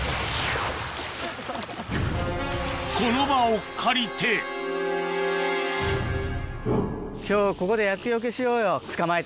この場を借りて今日ここで厄よけしようよ捕まえてさ。